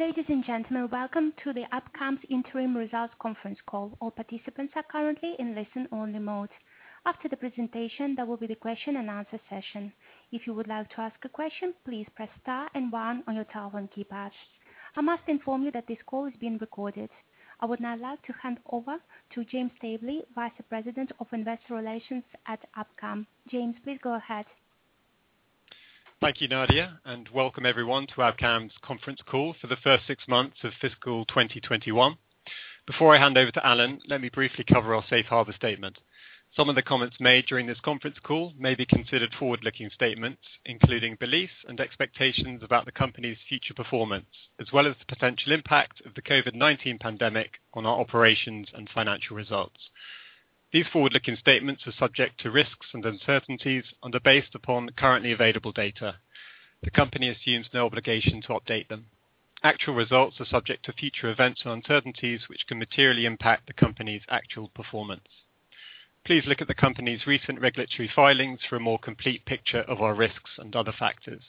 Ladies and gentlemen, welcome to the Abcam's Interim Results Conference Call. All participants are currently in listen-only mode. After the presentation, there will be the question and answer session. If you would like to ask a question, please press star and one on your telephone keypad. I must inform you that this call is being recorded. I would now like to hand over to James Tay-wee, Vice President of Investor Relations at Abcam. James, please go ahead. Thank you, Nadia, and welcome everyone to Abcam's conference call for the first six months of fiscal 2021. Before I hand over to Alan, let me briefly cover our safe harbor statement. Some of the comments made during this conference call may be considered forward-looking statements, including beliefs and expectations about the company's future performance, as well as the potential impact of the COVID-19 pandemic on our operations and financial results. These forward-looking statements are subject to risks and uncertainties and are based upon currently available data. The company assumes no obligation to update them. Actual results are subject to future events and uncertainties, which can materially impact the company's actual performance. Please look at the company's recent regulatory filings for a more complete picture of our risks and other factors.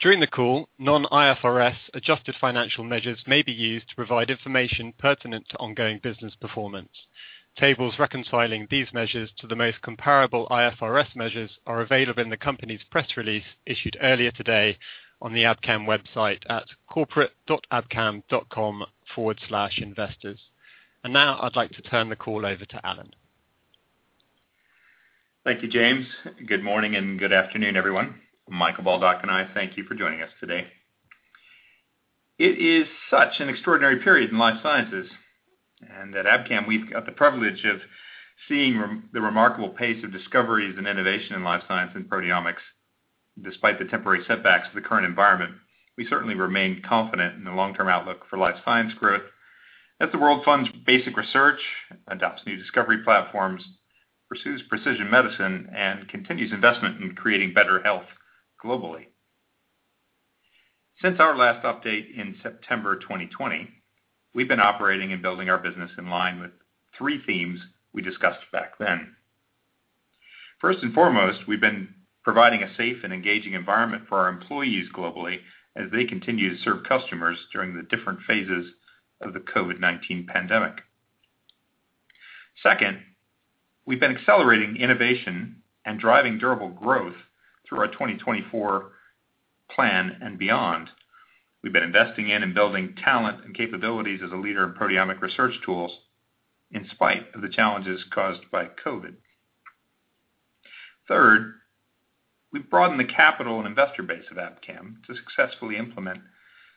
During the call, non-IFRS adjusted financial measures may be used to provide information pertinent to ongoing business performance. Tables reconciling these measures to the most comparable IFRS measures are available in the company's press release issued earlier today on the Abcam website at corporate.abcam.com/investors. Now I'd like to turn the call over to Alan. Thank you, James. Good morning and good afternoon, everyone. Michael Baldock and I thank you for joining us today. It is such an extraordinary period in life sciences, and at Abcam, we've got the privilege of seeing the remarkable pace of discoveries and innovation in life science and proteomics. Despite the temporary setbacks of the current environment, we certainly remain confident in the long-term outlook for life science growth as the world funds basic research, adopts new discovery platforms, pursues precision medicine, and continues investment in creating better health globally. Since our last update in September 2020, we've been operating and building our business in line with three themes we discussed back then. First and foremost, we've been providing a safe and engaging environment for our employees globally as they continue to serve customers during the different phases of the COVID-19 pandemic. Second, we've been accelerating innovation and driving durable growth through our 2024 plan and beyond. We've been investing in and building talent and capabilities as a leader in proteomic research tools in spite of the challenges caused by COVID. Third, we've broadened the capital and investor base of Abcam to successfully implement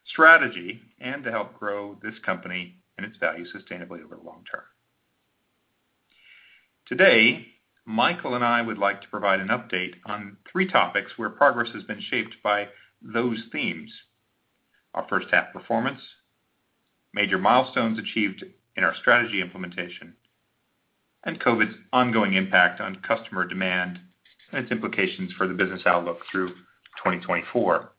strategy and to help grow this company and its value sustainably over the long term. Today, Michael and I would like to provide an update on three topics where progress has been shaped by those themes, our first half performance, major milestones achieved in our strategy implementation, and COVID's ongoing impact on customer demand and its implications for the business outlook through 2024.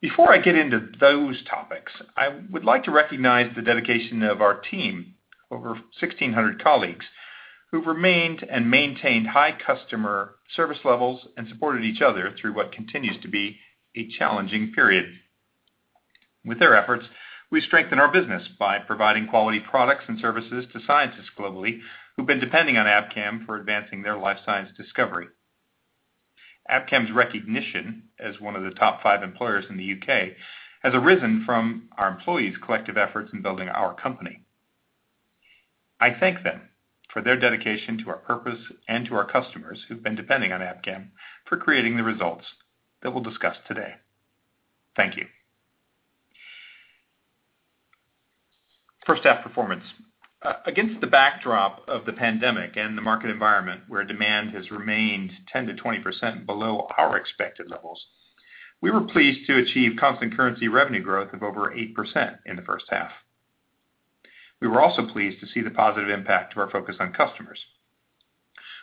Before I get into those topics, I would like to recognize the dedication of our team, over 1,600 colleagues, who've remained and maintained high customer service levels and supported each other through what continues to be a challenging period. With their efforts, we strengthen our business by providing quality products and services to scientists globally who've been depending on Abcam for advancing their life science discovery. Abcam's recognition as one of the top five employers in the U.K. has arisen from our employees' collective efforts in building our company. I thank them for their dedication to our purpose and to our customers who've been depending on Abcam for creating the results that we'll discuss today. Thank you. First half performance. Against the backdrop of the pandemic and the market environment where demand has remained 10%-20% below our expected levels, we were pleased to achieve constant currency revenue growth of over 8% in the first half. We were also pleased to see the positive impact to our focus on customers,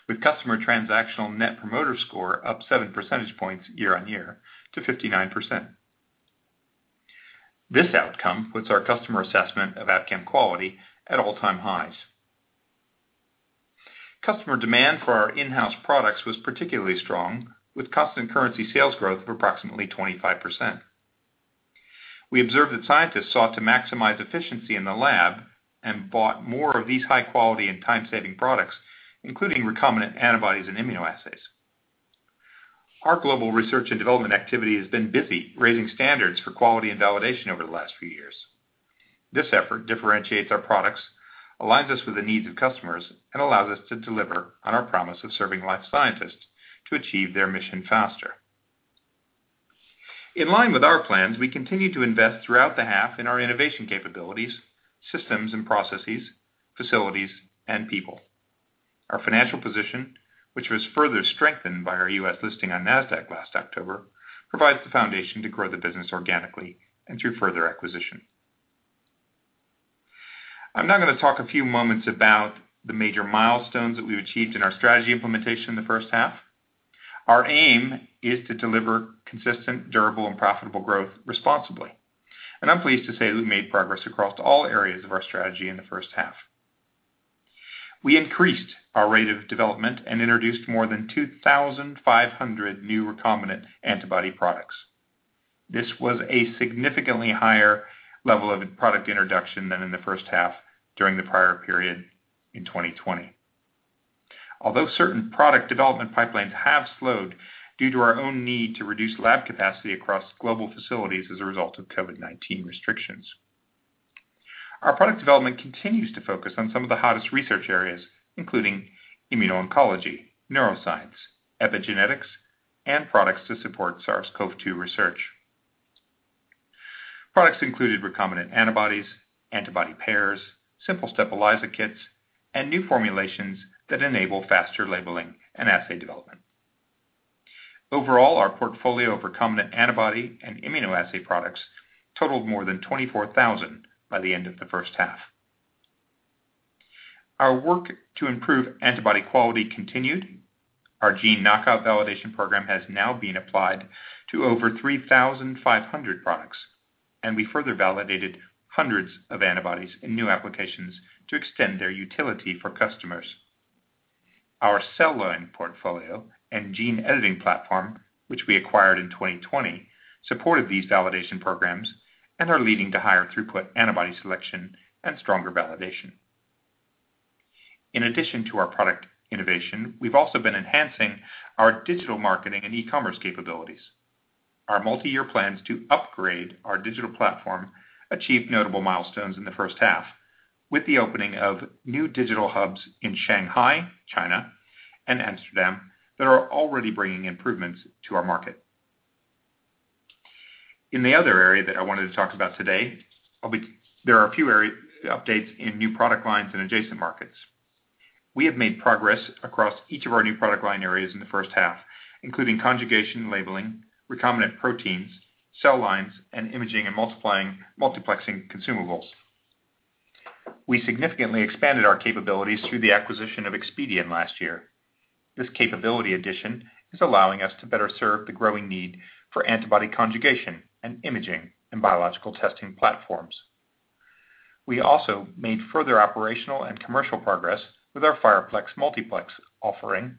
with customer transactional Net Promoter Score up seven percentage points year-on-year to 59%. This outcome puts our customer assessment of Abcam quality at all-time highs. Customer demand for our in-house products was particularly strong, with constant currency sales growth of approximately 25%. We observed that scientists sought to maximize efficiency in the lab and bought more of these high-quality and time-saving products, including recombinant antibodies and immunoassays. Our global research and development activity has been busy raising standards for quality and validation over the last few years. This effort differentiates our products, aligns us with the needs of customers, and allows us to deliver on our promise of serving life scientists to achieve their mission faster. In line with our plans, we continue to invest throughout the half in our innovation capabilities, systems and processes, facilities, and people. Our financial position, which was further strengthened by our U.S. listing on Nasdaq last October, provides the foundation to grow the business organically and through further acquisition. I'm now going to talk a few moments about the major milestones that we've achieved in our strategy implementation in the first half. Our aim is to deliver consistent, durable, and profitable growth responsibly. I'm pleased to say we've made progress across all areas of our strategy in the first half. We increased our rate of development and introduced more than 2,500 new recombinant antibody products. This was a significantly higher level of product introduction than in the first half during the prior period in 2020. Although certain product development pipelines have slowed due to our own need to reduce lab capacity across global facilities as a result of COVID-19 restrictions. Our product development continues to focus on some of the hottest research areas, including immuno-oncology, neuroscience, epigenetics, and products to support SARS-CoV-2 research. Products included recombinant antibodies, antibody pairs, SimpleStep ELISA kits, and new formulations that enable faster labeling and assay development. Overall, our portfolio of recombinant antibody and immunoassay products totaled more than 24,000 by the end of the first half. Our work to improve antibody quality continued. Our gene knockout validation program has now been applied to over 3,500 products, and we further validated hundreds of antibodies in new applications to extend their utility for customers. Our cell line portfolio and gene editing platform, which we acquired in 2020, supported these validation programs and are leading to higher throughput antibody selection and stronger validation. In addition to our product innovation, we've also been enhancing our digital marketing and e-commerce capabilities. Our multi-year plans to upgrade our digital platform achieved notable milestones in the first half, with the opening of new digital hubs in Shanghai, China, and Amsterdam that are already bringing improvements to our market. In the other area that I wanted to talk about today, there are a few updates in new product lines and adjacent markets. We have made progress across each of our new product line areas in the first half, including conjugation labeling, recombinant proteins, cell lines, and imaging and multiplexing consumables. We significantly expanded our capabilities through the acquisition of Expedeon last year. This capability addition is allowing us to better serve the growing need for antibody conjugation and imaging in biological testing platforms. We also made further operational and commercial progress with our FirePlex multiplex offering,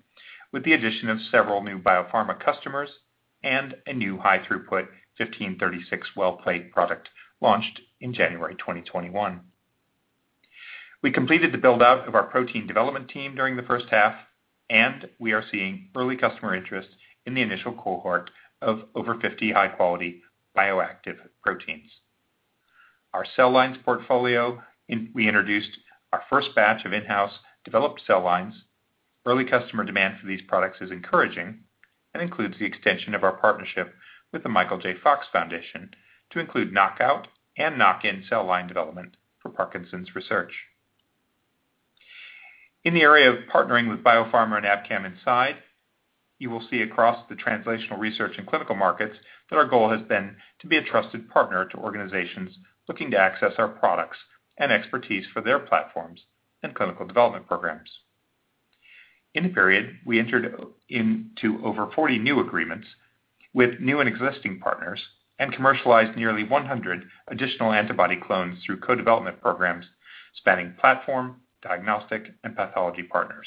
with the addition of several new biopharma customers and a new high throughput 1536 well plate product launched in January 2021. We completed the build-out of our protein development team during the first half. We are seeing early customer interest in the initial cohort of over 50 high-quality bioactive proteins. Our cell lines portfolio, we introduced our first batch of in-house developed cell lines. Early customer demand for these products is encouraging and includes the extension of our partnership with The Michael J. Fox Foundation to include knock out and knock in cell line development for Parkinson's research. In the area of partnering with Biopharma and Abcam Inside, you will see across the translational research and clinical markets that our goal has been to be a trusted partner to organizations looking to access our products and expertise for their platforms and clinical development programs. In the period, we entered into over 40 new agreements with new and existing partners and commercialized nearly 100 additional antibody clones through co-development programs spanning platform, diagnostic, and pathology partners.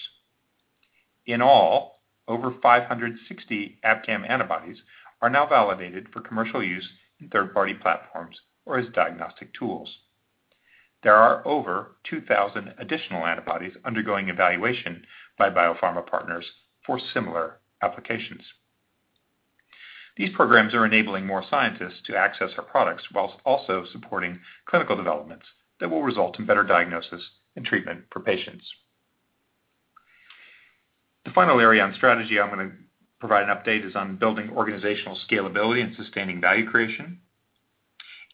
In all, over 560 Abcam antibodies are now validated for commercial use in third-party platforms or as diagnostic tools. There are over 2,000 additional antibodies undergoing evaluation by Biopharma partners for similar applications. These programs are enabling more scientists to access our products while also supporting clinical developments that will result in better diagnosis and treatment for patients. The final area on strategy I'm going to provide an update is on building organizational scalability and sustaining value creation.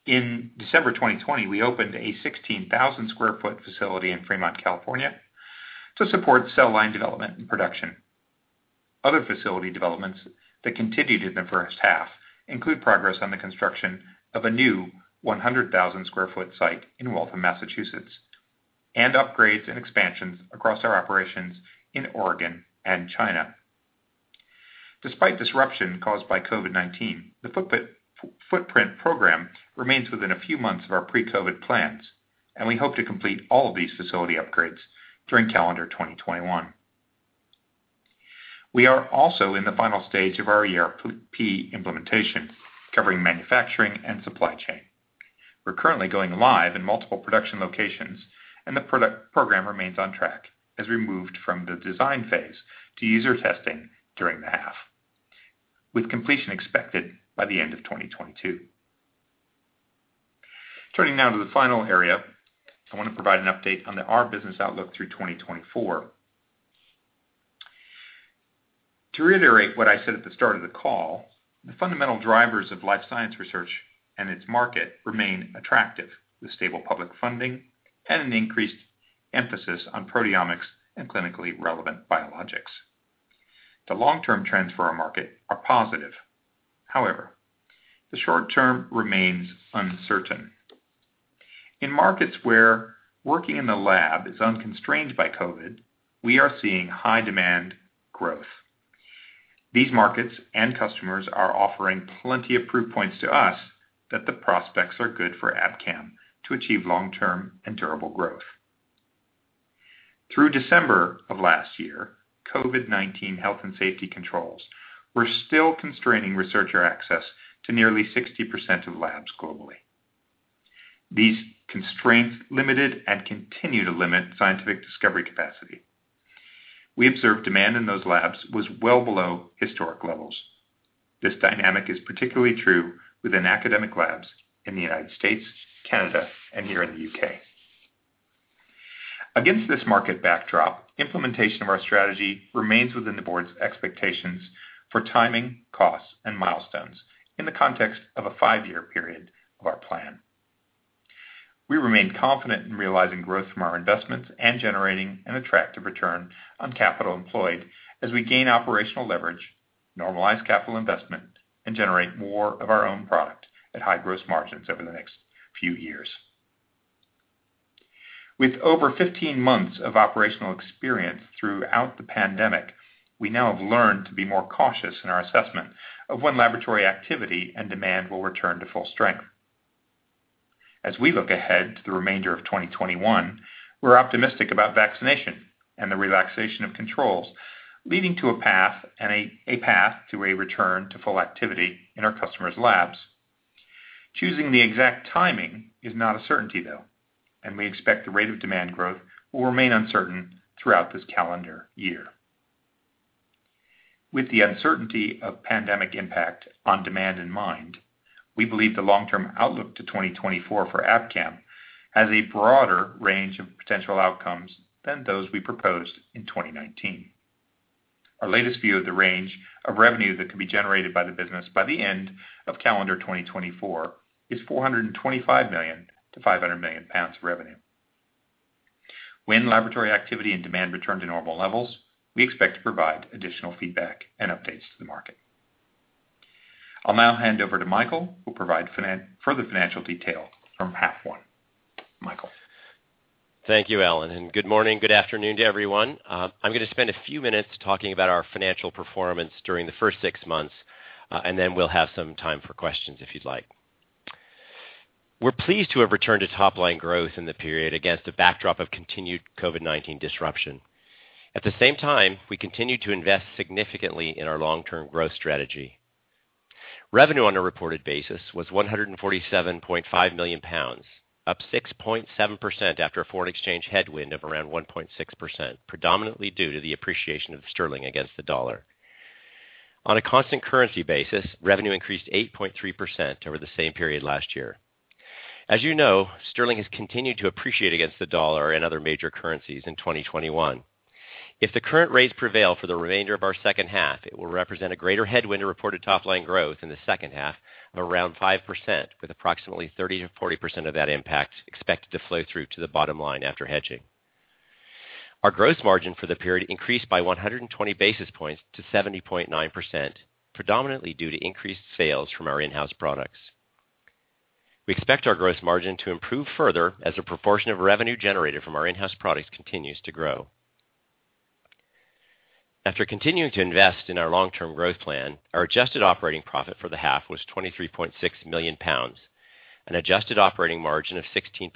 In December 2020, we opened a 16,000 sq ft facility in Fremont, California, to support cell line development and production. Other facility developments that continued in the first half include progress on the construction of a new 100,000 sq ft site in Waltham, Massachusetts, and upgrades and expansions across our operations in Oregon and China. Despite disruption caused by COVID-19, the footprint program remains within a few months of our pre-COVID plans, and we hope to complete all of these facility upgrades during calendar 2021. We are also in the final stage of our ERP implementation, covering manufacturing and supply chain. We're currently going live in multiple production locations. The program remains on track as we moved from the design phase to user testing during the half, with completion expected by the end of 2022. Turning now to the final area, I want to provide an update on our business outlook through 2024. To reiterate what I said at the start of the call, the fundamental drivers of life science research and its market remain attractive, with stable public funding and an increased emphasis on proteomics and clinically relevant biologics. The long-term trends for our market are positive. The short-term remains uncertain. In markets where working in the lab is unconstrained by COVID, we are seeing high demand growth. These markets and customers are offering plenty of proof points to us that the prospects are good for Abcam to achieve long-term and durable growth. Through December of last year, COVID-19 health and safety controls were still constraining researcher access to nearly 60% of labs globally. These constraints limited and continue to limit scientific discovery capacity. We observed demand in those labs was well below historic levels. This dynamic is particularly true within academic labs in the United States, Canada, and here in the U.K. Against this market backdrop, implementation of our strategy remains within the board's expectations for timing, costs, and milestones in the context of a five-year period of our plan. We remain confident in realizing growth from our investments and generating an attractive return on capital employed as we gain operational leverage, normalize capital investment, and generate more of our own product at high gross margins over the next few years. With over 15 months of operational experience throughout the pandemic, we now have learned to be more cautious in our assessment of when laboratory activity and demand will return to full strength. As we look ahead to the remainder of 2021, we're optimistic about vaccination and the relaxation of controls, leading to a path to a return to full activity in our customers' labs. Choosing the exact timing is not a certainty, though, and we expect the rate of demand growth will remain uncertain throughout this calendar year. With the uncertainty of pandemic impact on demand in mind, we believe the long-term outlook to 2024 for Abcam has a broader range of potential outcomes than those we proposed in 2019. Our latest view of the range of revenue that can be generated by the business by the end of calendar 2024 is 425 million-500 million pounds revenue. When laboratory activity and demand return to normal levels, we expect to provide additional feedback and updates to the market. I'll now hand over to Michael, who'll provide further financial detail from half one. Michael. Thank you, Alan. Good morning, good afternoon to everyone. I'm going to spend a few minutes talking about our financial performance during the first six months. Then, we'll have some time for questions if you'd like. We're pleased to have returned to top-line growth in the period against a backdrop of continued COVID-19 disruption. At the same time, we continue to invest significantly in our long-term growth strategy. Revenue on a reported basis was 147.5 million pounds, up 6.7% after a foreign exchange headwind of around 1.6%, predominantly due to the appreciation of the sterling against the dollar. On a constant currency basis, revenue increased 8.3% over the same period last year. As you know, sterling has continued to appreciate against the dollar and other major currencies in 2021. If the current rates prevail for the remainder of our second half, it will represent a greater headwind to reported top-line growth in the second half of around 5%, with approximately 30%-40% of that impact expected to flow through to the bottom line after hedging. Our gross margin for the period increased by 120 basis points to 70.9%, predominantly due to increased sales from our in-house products. We expect our gross margin to improve further as a proportion of revenue generated from our in-house products continues to grow. After continuing to invest in our long-term growth plan, our adjusted operating profit for the half was 23.6 million pounds, an adjusted operating margin of 16%.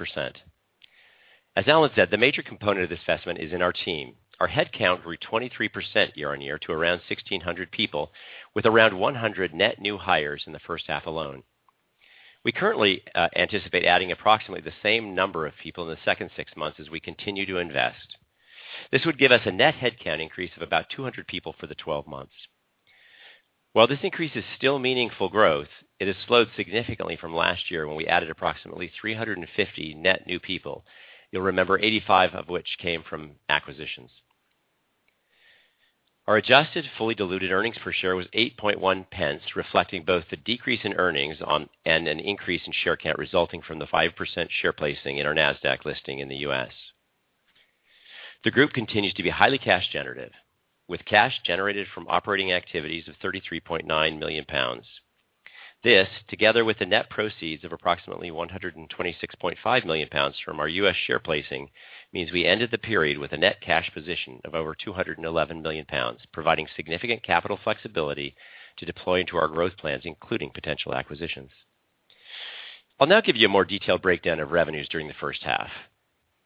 As Alan said, the major component of this investment is in our team. Our headcount grew 23% year-on-year to around 1,600 people, with around 100 net new hires in the first half alone. We currently anticipate adding approximately the same number of people in the second six months as we continue to invest. This would give us a net headcount increase of about 200 people for the 12 months. While this increase is still meaningful growth, it has slowed significantly from last year when we added approximately 350 net new people. You'll remember 85 of which came from acquisitions. Our adjusted fully diluted earnings per share was 0.081, reflecting both the decrease in earnings and an increase in share count resulting from the 5% share placing in our Nasdaq listing in the U.S. The group continues to be highly cash generative, with cash generated from operating activities of 33.9 million pounds. This, together with the net proceeds of approximately 126.5 million pounds from our U.S. share placing, means we ended the period with a net cash position of over 211 million pounds, providing significant capital flexibility to deploy into our growth plans, including potential acquisitions. I'll now give you a more detailed breakdown of revenues during the first half.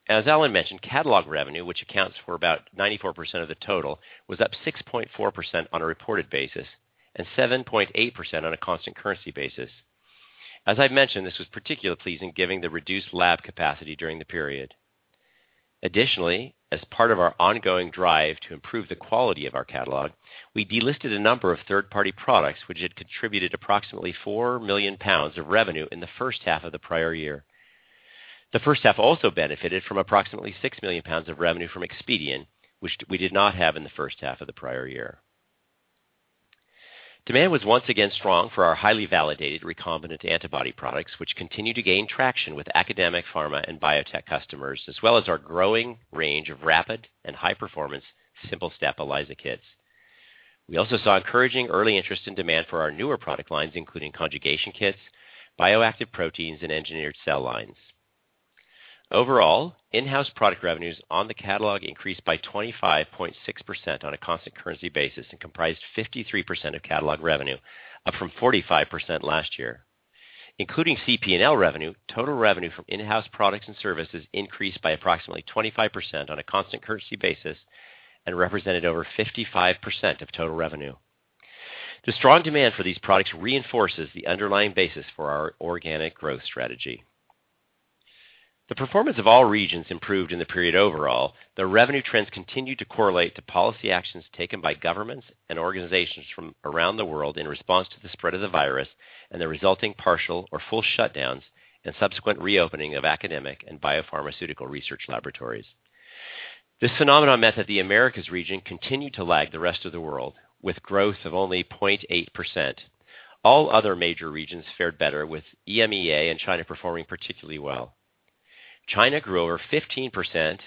As Alan mentioned, catalog revenue, which accounts for about 94% of the total, was up 6.4% on a reported basis and 7.8% on a constant currency basis. As I've mentioned, this was particularly pleasing given the reduced lab capacity during the period. Additionally, as part of our ongoing drive to improve the quality of our catalog, we delisted a number of third-party products which had contributed approximately 4 million pounds of revenue in the first half of the prior year. The first half also benefited from approximately 6 million pounds of revenue from Expedeon, which we did not have in the first half of the prior year. Demand was once again strong for our highly validated recombinant antibody products, which continue to gain traction with academic, pharma, and biotech customers, as well as our growing range of rapid and high-performance SimpleStep ELISA kits. We also saw encouraging early interest and demand for our newer product lines, including conjugation kits, bioactive proteins, and engineered cell lines. Overall, in-house product revenues on the catalog increased by 25.6% on a constant currency basis and comprised 53% of catalog revenue, up from 45% last year. Including CP&L revenue, total revenue from in-house products and services increased by approximately 25% on a constant currency basis and represented over 55% of total revenue. The strong demand for these products reinforces the underlying basis for our organic growth strategy. The performance of all regions improved in the period overall, though revenue trends continued to correlate to policy actions taken by governments and organizations from around the world in response to the spread of the virus and the resulting partial or full shutdowns and subsequent reopening of academic and biopharmaceutical research laboratories. This phenomenon meant that the Americas region continued to lag the rest of the world, with growth of only 0.8%. All other major regions fared better, with EMEA and China performing particularly well. China grew over 15%,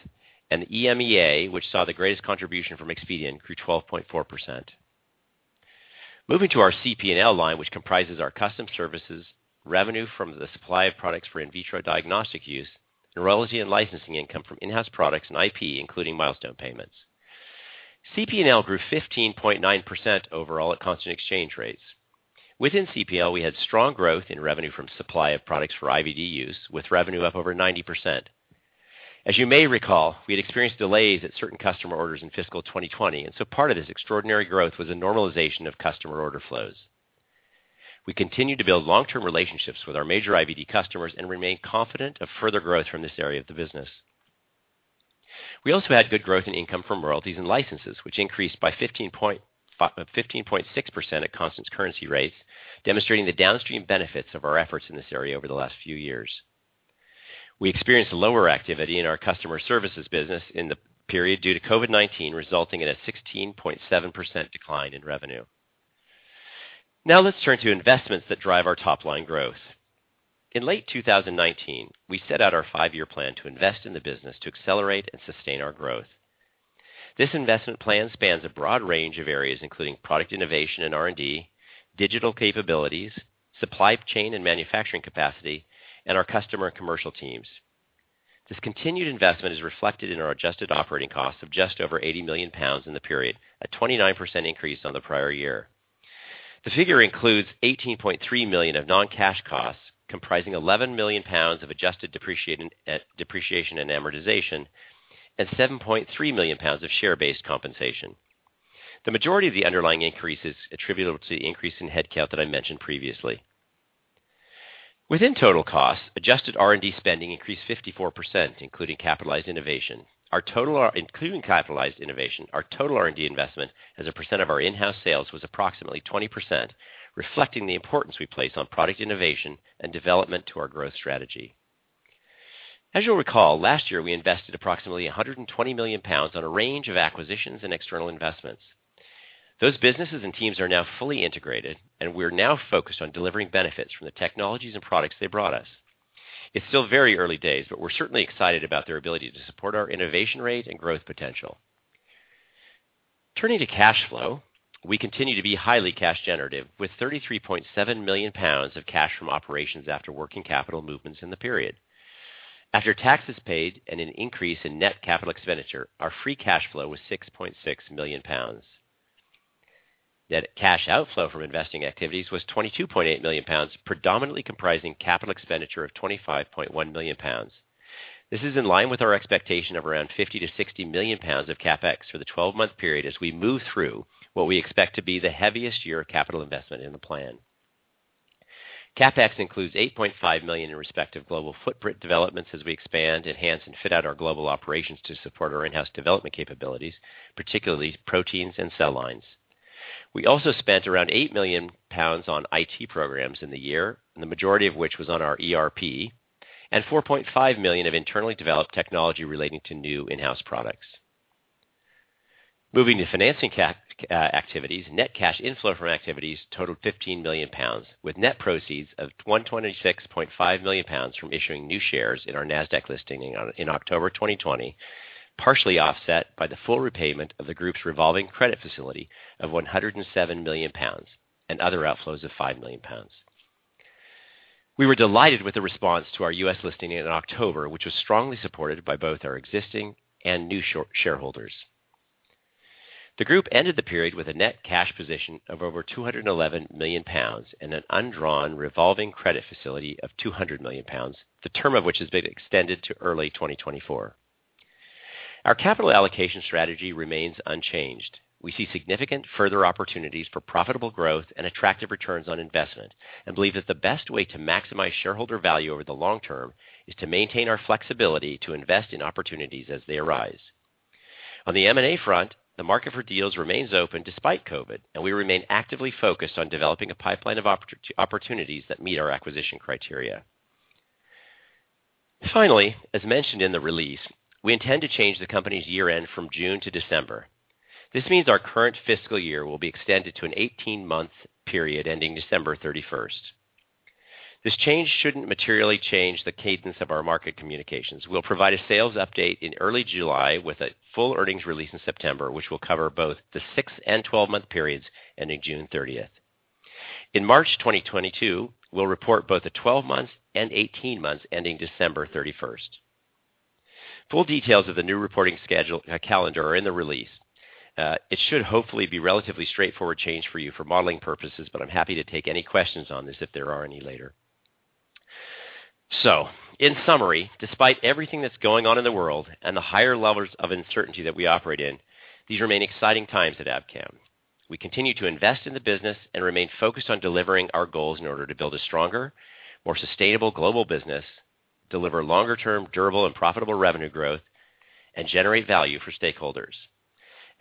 and EMEA, which saw the greatest contribution from Expedeon, grew 12.4%. Moving to our CP&L line, which comprises our custom services, revenue from the supply of products for in vitro diagnostic use, neurology and licensing income from in-house products and IP, including milestone payments. CP&L grew 15.9% overall at constant exchange rates. Within CP&L, we had strong growth in revenue from supply of products for IVD use, with revenue up over 90%. As you may recall, we had experienced delays at certain customer orders in fiscal 2020, and so part of this extraordinary growth was a normalization of customer order flows. We continued to build long-term relationships with our major IVD customers and remain confident of further growth from this area of the business. We also had good growth in income from royalties and licenses, which increased by 15.6% at constant currency rates, demonstrating the downstream benefits of our efforts in this area over the last few years. We experienced lower activity in our customer services business in the period due to COVID-19, resulting in a 16.7% decline in revenue. Now let's turn to investments that drive our top-line growth. In late 2019, we set out our five-year plan to invest in the business to accelerate and sustain our growth. This investment plan spans a broad range of areas, including product innovation and R&D, digital capabilities, supply chain and manufacturing capacity, and our customer and commercial teams. This continued investment is reflected in our adjusted operating costs of just over 80 million pounds in the period, a 29% increase on the prior year. The figure includes 18.3 million of non-cash costs, comprising 11 million pounds of adjusted depreciation and amortization, and 7.3 million pounds of share-based compensation. The majority of the underlying increase is attributable to the increase in headcount that I mentioned previously. Within total costs, adjusted R&D spending increased 54%, including capitalized innovation. Our total R&D investment as a percent of our in-house sales was approximately 20%, reflecting the importance we place on product innovation and development to our growth strategy. As you'll recall, last year, we invested approximately 120 million pounds on a range of acquisitions and external investments. Those businesses and teams are now fully integrated, and we are now focused on delivering benefits from the technologies and products they brought us. It's still very early days, but we're certainly excited about their ability to support our innovation rate and growth potential. Turning to cash flow, we continue to be highly cash generative, with 33.7 million pounds of cash from operations after working capital movements in the period. After taxes paid and an increase in net capital expenditure, our free cash flow was 6.6 million pounds. Net cash outflow from investing activities was 22.8 million pounds, predominantly comprising capital expenditure of 25.1 million pounds. This is in line with our expectation of around 50 million-60 million pounds of CapEx for the 12-month period as we move through what we expect to be the heaviest year of capital investment in the plan. CapEx includes 8.5 million in respect of global footprint developments as we expand, enhance, and fit out our global operations to support our in-house development capabilities, particularly proteins and cell lines. We also spent around 8 million pounds on IT programs in the year, and the majority of which was on our ERP, and 4.5 million of internally developed technology relating to new in-house products. Moving to financing activities, net cash inflow from activities totaled 15 million pounds, with net proceeds of 126.5 million pounds from issuing new shares in our Nasdaq listing in October 2020, partially offset by the full repayment of the group's revolving credit facility of 107 million pounds and other outflows of 5 million pounds. We were delighted with the response to our U.S. listing in October, which was strongly supported by both our existing and new shareholders. The group ended the period with a net cash position of over 211 million pounds and an undrawn revolving credit facility of 200 million pounds, the term of which has been extended to early 2024. Our capital allocation strategy remains unchanged. We see significant further opportunities for profitable growth and attractive returns on investment and believe that the best way to maximize shareholder value over the long term is to maintain our flexibility to invest in opportunities as they arise. On the M&A front, the market for deals remains open despite COVID, and we remain actively focused on developing a pipeline of opportunities that meet our acquisition criteria. Finally, as mentioned in the release, we intend to change the company's year-end from June to December. This means our current fiscal year will be extended to an 18-month period ending December 31st. This change shouldn't materially change the cadence of our market communications. We'll provide a sales update in early July with a full earnings release in September, which will cover both the six month and 12-month periods ending June 30th. In March 2022, we'll report both the 12 months and 18 months ending December 31st. Full details of the new reporting calendar are in the release. It should hopefully be relatively straightforward change for you for modeling purposes. I'm happy to take any questions on this if there are any later. So, in summary, despite everything that's going on in the world and the higher levels of uncertainty that we operate in, these remain exciting times at Abcam. We continue to invest in the business and remain focused on delivering our goals in order to build a stronger, more sustainable global business, deliver longer-term durable and profitable revenue growth, and generate value for stakeholders.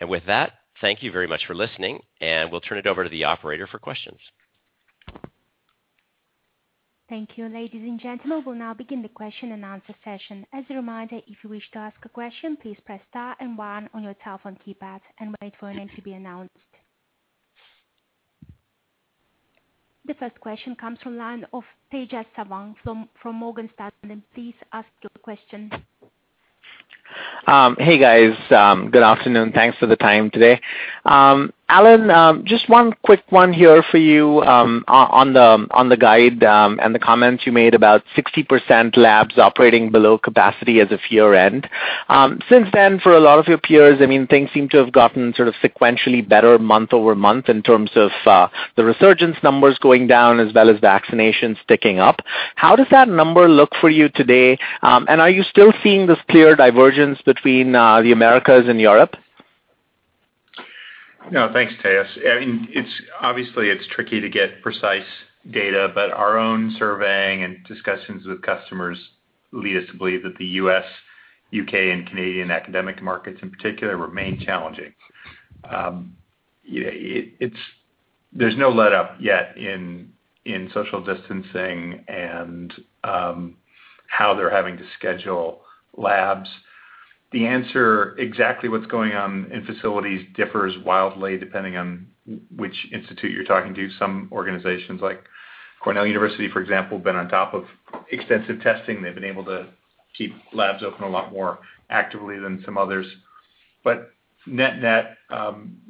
With that, thank you very much for listening, and we'll turn it over to the operator for questions. Thank you. Ladies and gentlemen, we'll now begin the question and answer session. As a reminder, if you wish to ask a question, please press star and one on your telephone keypad and wait for your name to be announces. The first question comes from line of Tejas Savant from Morgan Stanley. Please ask your question. Hey, guys. Good afternoon. Thanks for the time today. Alan, just one quick one here for you on the guide and the comments you made about 60% labs operating below capacity as of year-end. Since then, for a lot of your peers, things seem to have gotten sequentially better month-over-month in terms of the resurgence numbers going down as well as vaccinations ticking up. How does that number look for you today, and are you still seeing this clear divergence between the Americas and Europe? No, thanks, Tejas. Obviously, it's tricky to get precise data, but our own surveying and discussions with customers lead us to believe that the U.S., U.K., and Canadian academic markets in particular remain challenging. There's no letup yet in social distancing and how they're having to schedule labs. The answer, exactly what's going on in facilities differs wildly depending on which institute you're talking to. Some organizations like Cornell University, for example, have been on top of extensive testing. They've been able to keep labs open a lot more actively than some others. Net-net,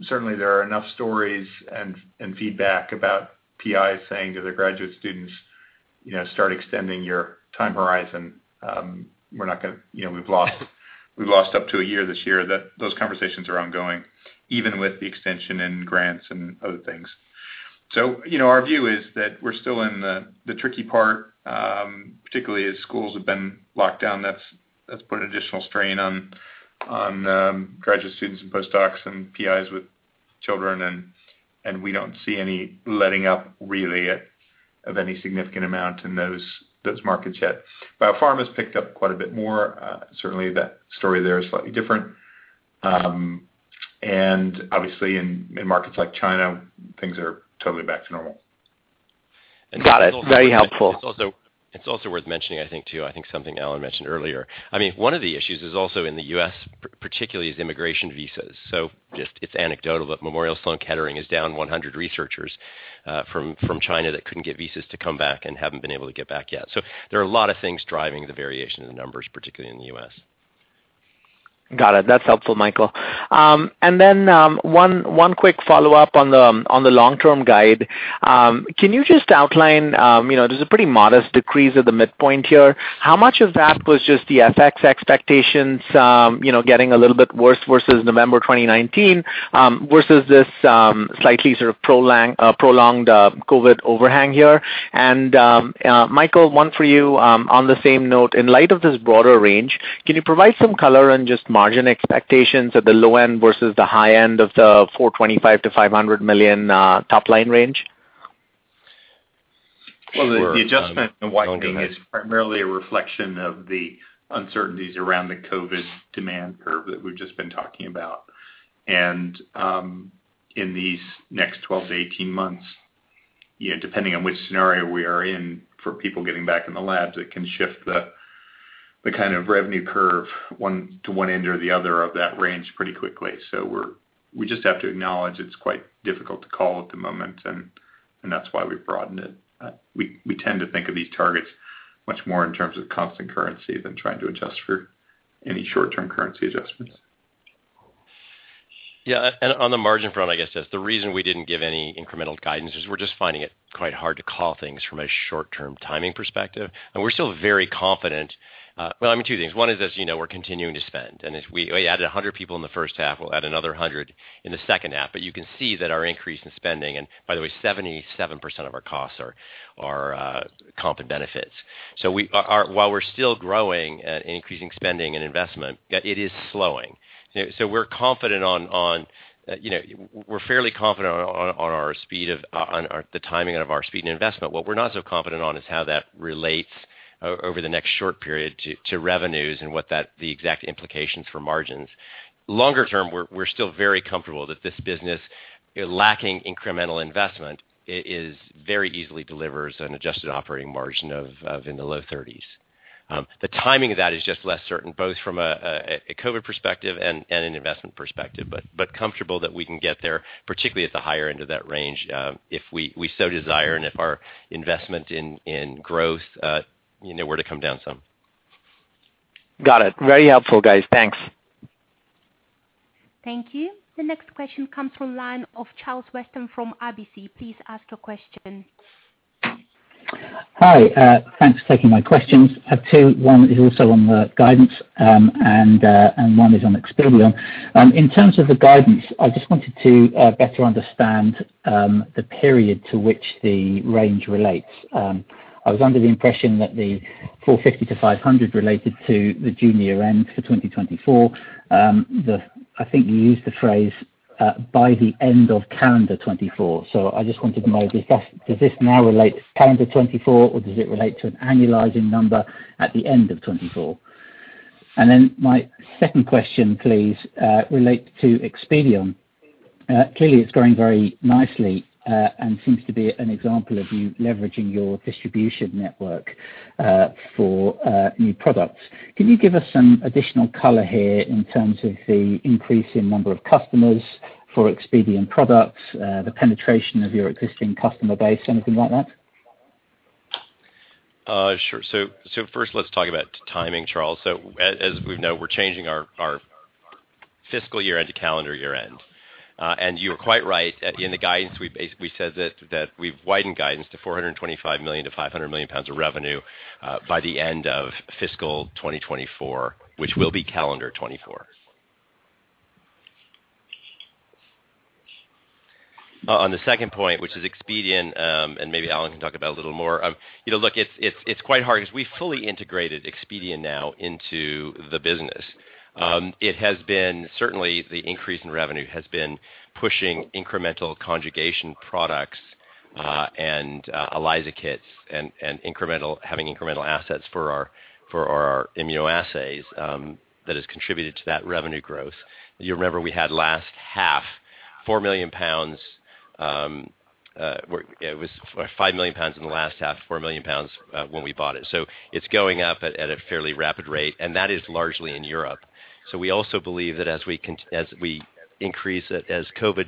certainly there are enough stories and feedback about PIs saying to their graduate students, "Start extending your time horizon. We've lost up to one year this year." Those conversations are ongoing, even with the extension and grants and other things. So, our view is that we're still in the tricky part, particularly as schools have been locked down. That's put additional strain on graduate students and postdocs and PIs with children, and we don't see any letting up, really, of any significant amount in those markets yet. Biopharma's picked up quite a bit more. Certainly, the story there is slightly different. Obviously, in markets like China, things are totally back to normal. Got it. Very helpful. It's also worth mentioning, I think, too, I think something Alan mentioned earlier. I mean, one of the issues is also in the U.S. particularly, is immigration visas. It's anecdotal, but Memorial Sloan Kettering is down 100 researchers from China that couldn't get visas to come back and haven't been able to get back yet. There are a lot of things driving the variation in the numbers, particularly in the U.S. Got it. That's helpful, Michael. Then, one quick follow-up on the long-term guide. Can you just outline, there's a pretty modest decrease at the midpoint here. How much of that was just the FX expectations getting a little bit worse versus November 2019, versus this slightly prolonged COVID overhang here? Michael, one for you on the same note. In light of this broader range, can you provide some color on just margin expectations at the low end versus the high end of the 425 million-500 million top-line range? The adjustment in widening is primarily a reflection of the uncertainties around the COVID demand curve that we've just been talking about. In these next 12 months to 18 months, depending on which scenario we are in for people getting back in the labs, it can shift the kind of revenue curve to one end or the other of that range pretty quickly. We just have to acknowledge it's quite difficult to call at the moment, and that's why we've broadened it. We tend to think of these targets much more in terms of constant currency than trying to adjust for any short-term currency adjustments. Yeah, on the margin front, I guess, Tejas, the reason we didn't give any incremental guidance is we're just finding it quite hard to call things from a short-term timing perspective. We're still very confident. Well, two things. One is, as you know, we're continuing to spend, and we added 100 people in the first half. We'll add another 100 in the second half. But you can see that our increase in spending, and by the way, 77% of our costs are comp and benefits. While we're still growing and increasing spending and investment, it is slowing. We're fairly confident on the timing of our speed and investment. What we're not so confident on is how that relates over the next short period to revenues and what the exact implications for margins. Longer term, we're still very comfortable that this business, lacking incremental investment, it very easily delivers an adjusted operating margin of in the low 30s. The timing of that is just less certain, both from a COVID perspective and an investment perspective. Comfortable that we can get there, particularly at the higher end of that range, if we so desire and if our investment in growth were to come down some. Got it. Very helpful, guys. Thanks. Thank you. The next question comes from line of Charles Weston from RBC. Please ask your question. Hi. Thanks for taking my questions. I have two. One is also on the guidance, and one is on Expedeon. In terms of the guidance, I just wanted to better understand the period to which the range relates. I was under the impression that the 450 million to 500 million related to the June year-end for 2024. I think you used the phrase, "by the end of calendar 2024." I just wanted to know, does this now relate to calendar 2024, or does it relate to an annualizing number at the end of 2024? My second question, please, relates to Expedeon. Clearly, it's growing very nicely and seems to be an example of you leveraging your distribution network for new products. Can you give us some additional color here in terms of the increase in number of customers for Expedeon products, the penetration of your existing customer base, anything like that? Sure. First, let's talk about timing, Charles. As we know, we're changing our fiscal year-end to calendar year-end. You're quite right. That in the guidance, we said that we've widened guidance to 425 million-500 million pounds of revenue by the end of FY 2024, which will be calendar 2024. On the second point, which is Expedeon, and maybe Alan can talk about a little more. Look, it's quite hard because we fully integrated Expedeon now into the business. Certainly, the increase in revenue has been pushing incremental conjugation kits and ELISA kits and having incremental assets for our immunoassays that has contributed to that revenue growth. You remember we had last half, it was 5 million pounds in the last half, 4 million pounds when we bought it. It's going up at a fairly rapid rate, and that is largely in Europe. So we also believe that as COVID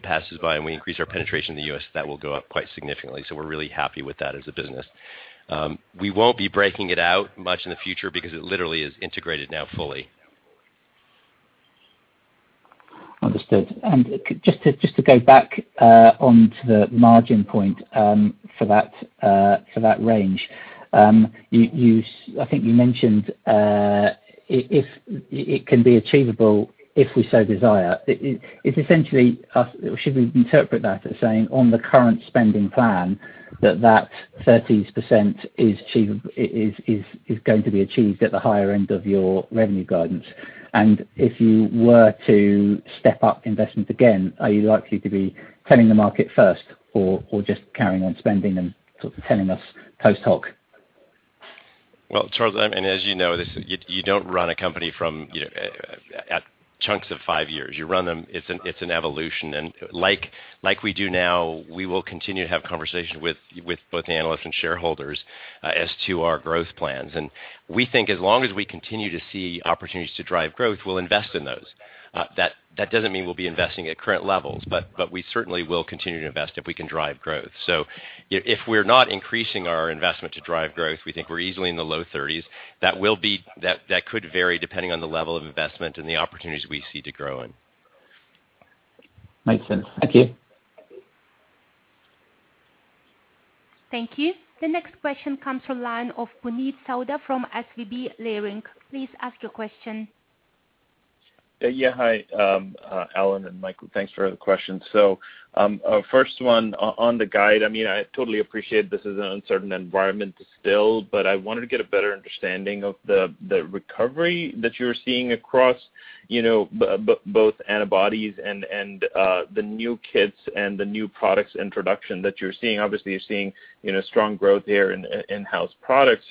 passes by and we increase our penetration in the U.S., that will go up quite significantly. We're really happy with that as a business. We won't be breaking it out much in the future because it literally is integrated now fully. Understood. Just to go back onto the margin point for that range, I think you mentioned, "It can be achievable if we so desire." Should we interpret that as saying on the current spending plan, that that 30% is going to be achieved at the higher end of your revenue guidance? If you were to step up investment again, are you likely to be telling the market first or just carrying on spending and sort of telling us post hoc? Well, Charles, as you know, you don't run a company from at chunks of five years. It's an evolution. Like we do now, we will continue to have conversation with both analysts and shareholders as to our growth plans. We think as long as we continue to see opportunities to drive growth, we'll invest in those. That doesn't mean we'll be investing at current levels, but we certainly will continue to invest if we can drive growth. If we're not increasing our investment to drive growth, we think we're easily in the low 30s. That could vary depending on the level of investment and the opportunities we see to grow in. Makes sense. Thank you. Thank you. The next question comes from line of Puneet Souda from SVB Leerink. Please ask your question. Hi, Alan and Michael. Thanks for the questions. First one on the guide, I totally appreciate this is an uncertain environment still, but I wanted to get a better understanding of the recovery that you're seeing across both antibodies and the new kits and the new products introduction that you're seeing. Obviously, you're seeing strong growth there in in-house products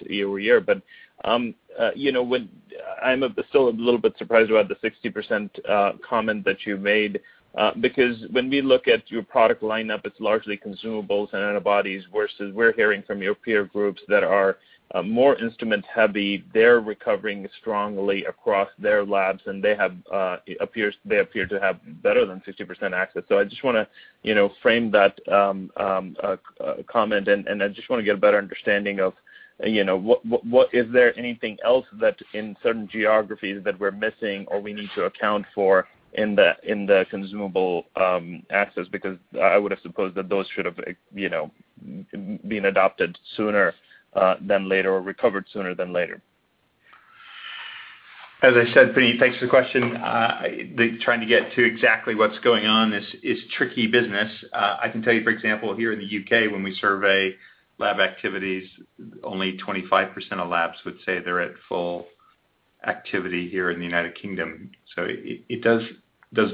year-over-year. I'm still a little bit surprised about the 60% comment that you made, because when we look at your product lineup, it's largely consumables and antibodies, versus we're hearing from your peer groups that are more instrument heavy, they're recovering strongly across their labs, and they appear to have better than 60% access. So, I just want to frame that comment, and I just want to get a better understanding of is there anything else that in certain geographies that we're missing or we need to account for in the consumable access? Because I would've supposed that those should have been adopted sooner than later or recovered sooner than later. As I said, Puneet, thanks for the question. Trying to get to exactly what's going on is tricky business. I can tell you, for example, here in the U.K., when we survey lab activities, only 25% of labs would say they're at full activity here in the United Kingdom. It does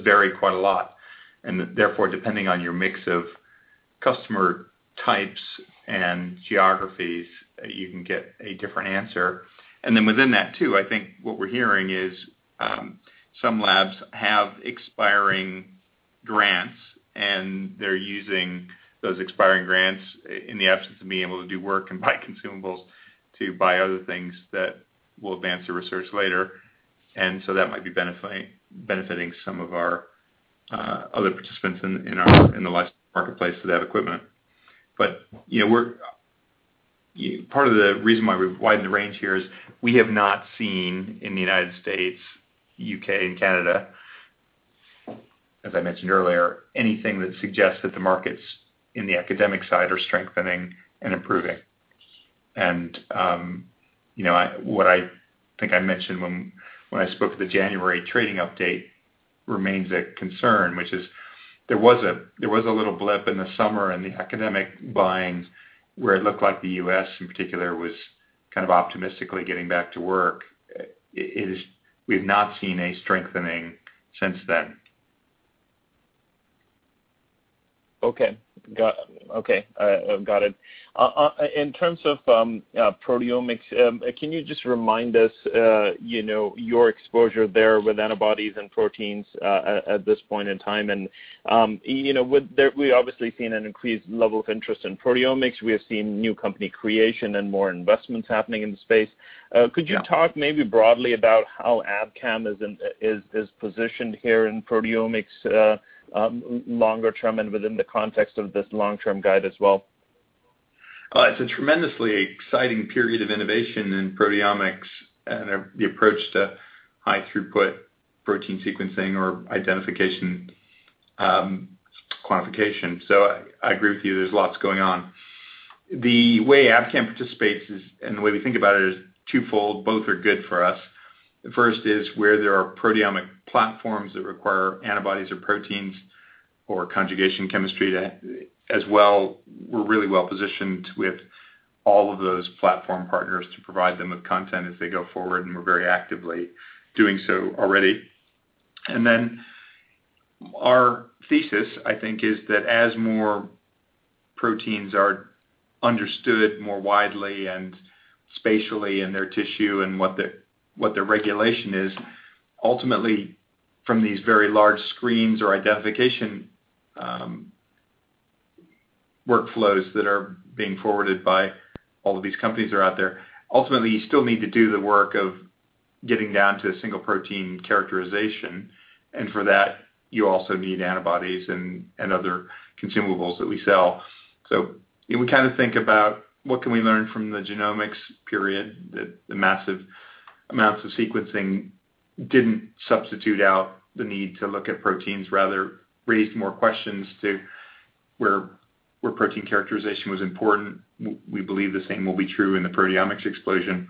vary quite a lot. Therefore, depending on your mix of customer types and geographies, you can get a different answer. Then within that, too, I think what we're hearing is some labs have expiring grants, and they're using those expiring grants in the absence of being able to do work and buy consumables to buy other things that will advance the research later. That might be benefiting some of our other participants in the life marketplace for that equipment. But, part of the reason why we've widened the range here is we have not seen in the United States, U.K., and Canada, as I mentioned earlier, anything that suggests that the markets in the academic side are strengthening and improving. What I think I mentioned when I spoke to the January trading update remains a concern, which is there was a little blip in the summer in the academic buying where it looked like the U.S. in particular was kind of optimistically getting back to work. We've not seen a strengthening since then. Okay, got it. In terms of proteomics, can you just remind us your exposure there with antibodies and proteins at this point in time? We obviously seen an increased level of interest in proteomics. We have seen new company creation and more investments happening in the space. Yeah. Could you talk maybe broadly about how Abcam is positioned here in proteomics longer term and within the context of this long-term guide as well? It's a tremendously exciting period of innovation in proteomics and the approach to high throughput protein sequencing or identification quantification. So I agree with you, there's lots going on. The way Abcam participates is, and the way we think about it is twofold. Both are good for us. The first is where there are proteomic platforms that require antibodies or proteins or conjugation chemistry as well, we're really well positioned with all of those platform partners to provide them with content as they go forward, and we're very actively doing so already. Our thesis, I think, is that as more proteins are understood more widely and spatially in their tissue and what their regulation is, ultimately, from these very large screens or identification workflows that are being forwarded by all of these companies that are out there, ultimately, you still need to do the work of getting down to a single protein characterization. For that, you also need antibodies and other consumables that we sell. We think about what can we learn from the genomics period, that the massive amounts of sequencing didn't substitute out the need to look at proteins, rather raised more questions to where protein characterization was important. We believe the same will be true in the proteomics explosion.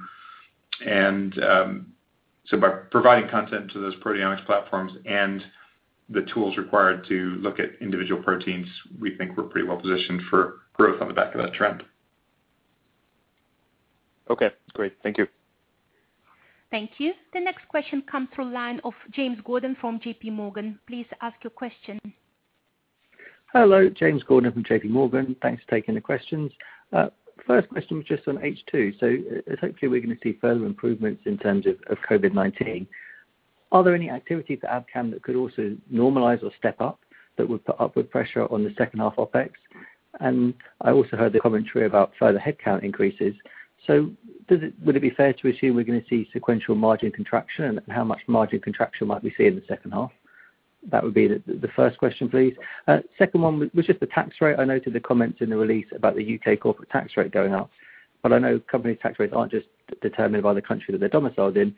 By providing content to those proteomics platforms and the tools required to look at individual proteins, we think we're pretty well positioned for growth on the back of that trend. Okay, great. Thank you. Thank you. The next question comes through line of James Gordon from J.P. Morgan. Please ask your question. Hello, James Gordon from J.P. Morgan. Thanks for taking the questions. First question was just on H2. Hopefully we're going to see further improvements in terms of COVID-19. Are there any activities at Abcam that could also normalize or step up that would put upward pressure on the second half OpEx? I also heard the commentary about further headcount increases. So, would it be fair to assume we're going to see sequential margin contraction, and how much margin contraction might we see in the second half? That would be the first question, please. Second one was just the tax rate. I noted the comments in the release about the U.K. corporate tax rate going up, but I know company tax rates aren't just determined by the country that they're domiciled in.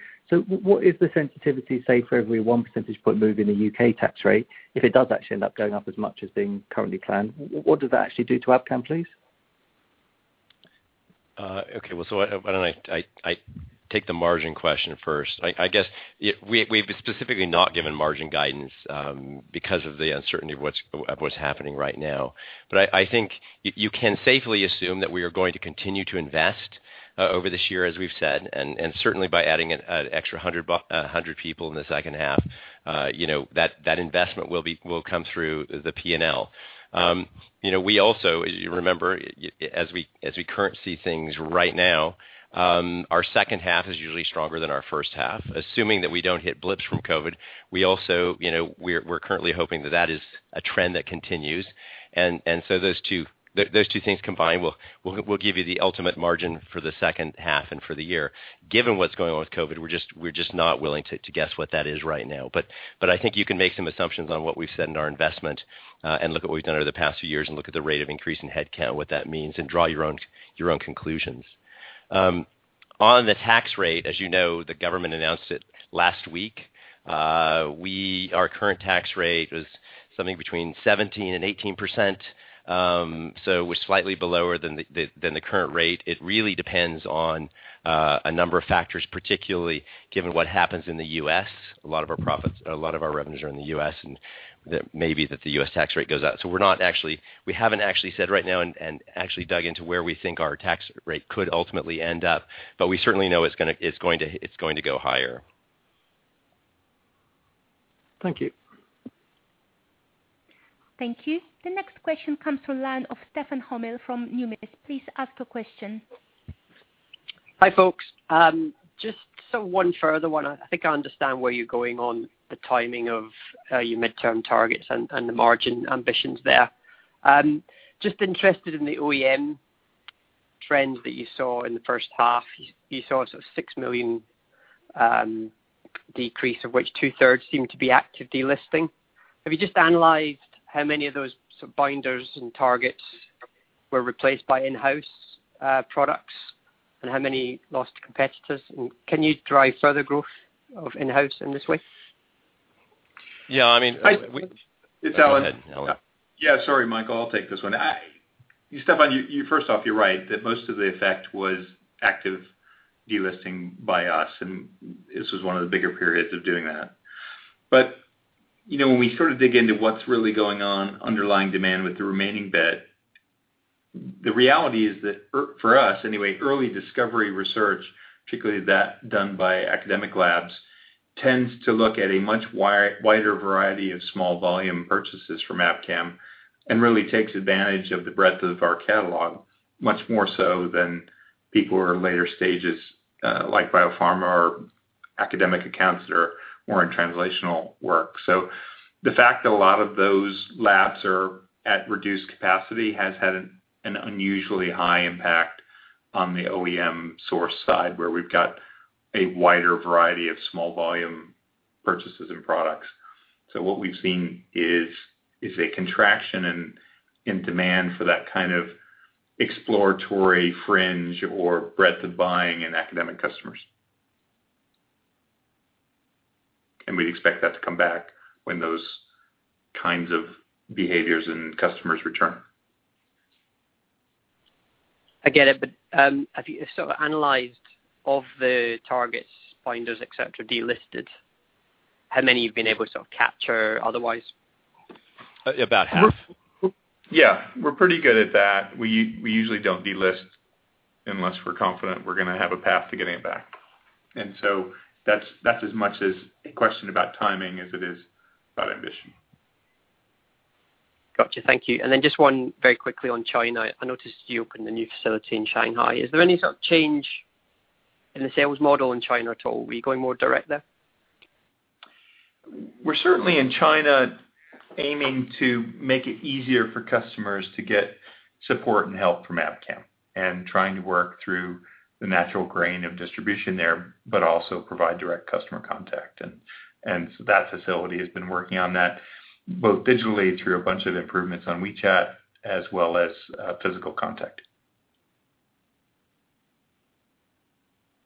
What is the sensitivity, say, for every one percentage point move in the U.K. tax rate, if it does actually end up going up as much as being currently planned, what does that actually do to Abcam, please? Okay. Well, why don't I take the margin question first. I guess we've specifically not given margin guidance because of the uncertainty of what's happening right now. But I think you can safely assume that we are going to continue to invest over this year, as we've said, and certainly by adding an extra 100 people in the second half, that investment will come through the P&L. We also, as you remember, as we currently see things right now, our second half is usually stronger than our first half. Assuming that we don't hit blips from COVID, we're currently hoping that that is a trend that continues. Those two things combined will give you the ultimate margin for the second half and for the year. Given what's going on with COVID, we're just not willing to guess what that is right now. I think you can make some assumptions on what we've said in our investment and look at what we've done over the past few years and look at the rate of increase in headcount, what that means, and draw your own conclusions. On the tax rate, as you know, the government announced it last week. Our current tax rate was something between 17% and 18%, so was slightly below than the current rate. It really depends on a number of factors, particularly given what happens in the U.S. A lot of our profits, a lot of our revenues are in the U.S., and maybe that the U.S. tax rate goes up. We haven't actually said right now and actually dug into where we think our tax rate could ultimately end up. We certainly know it's going to go higher. Thank you. Thank you. The next question comes from line of Stefan Hamill from Numis. Please ask your question. Hi, folks. Just one further one, I think I understand where you're going on the timing of your midterm targets and the margin ambitions there. Just interested in the OEM trends that you saw in the first half. You saw sort of 6 million Decrease of which 2/3 seem to be active delisting. Have you just analyzed how many of those binders and targets were replaced by in-house products, and how many lost to competitors, and can you drive further growth of in-house in this way? Yeah. It's Alan. Go ahead, Alan. Yeah. Sorry, Michael, I'll take this one. Stefan, first off, you're right, that most of the effect was active delisting by us, and this was one of the bigger periods of doing that. When we sort of dig into what's really going on underlying demand with the remaining bit, the reality is that for us anyway, early discovery research, particularly that done by academic labs, tends to look at a much wider variety of small volume purchases from Abcam and really takes advantage of the breadth of our catalog much more so than people who are later stages, like Biopharma or academic accounts that are more in translational work. The fact that a lot of those labs are at reduced capacity has had an unusually high impact on the OEM source side, where we've got a wider variety of small volume purchases and products. What we've seen is a contraction in demand for that kind of exploratory fringe or breadth of buying in academic customers. We'd expect that to come back when those kinds of behaviors and customers return. I get it. Have you sort of analyzed, of the targets, binders, et cetera, delisted, how many you've been able to sort of capture otherwise? About half. Yeah, we're pretty good at that. We usually don't delist unless we're confident we're going to have a path to getting it back. That's as much as a question about timing as it is about ambition. Got you. Thank you. Just one very quickly on China. I noticed you opened a new facility in Shanghai. Is there any sort of change in the sales model in China at all? So are we going more direct there? We're certainly in China aiming to make it easier for customers to get support and help from Abcam and trying to work through the natural grain of distribution there, but also provide direct customer contact. That facility has been working on that, both digitally through a bunch of improvements on WeChat, as well as physical contact.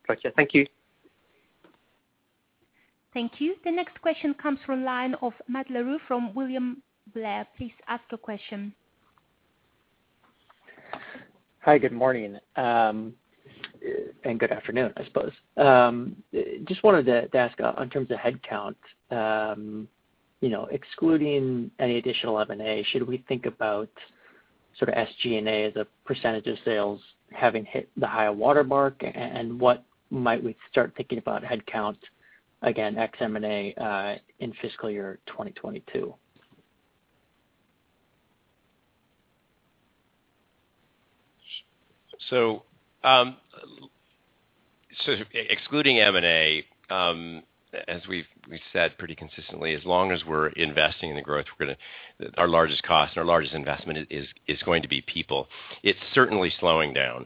Got you. Thank you. Thank you. The next question comes from line of Matt LaRue from William Blair. Please ask your question. Hi, good morning. Good afternoon, I suppose. Just wanted to ask in terms of head count, excluding any additional M&A, should we think about sort of SG&A as a percentage of sales having hit the higher watermark? What might we start thinking about head count, again, ex M&A, in fiscal year 2022? Excluding M&A, as we've said pretty consistently, as long as we're investing in the growth, our largest cost and our largest investment is going to be people. It's certainly slowing down.